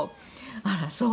「あらそう？」